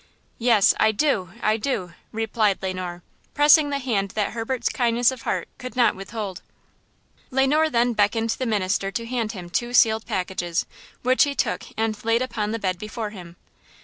"Yes, I do; I do!" replied Le Noir, pressing the hand that Herbert's kindness of heart could not withhold. Le Noir then beckoned the minister to hand him two sealed packets, which he took and laid upon the bed before him.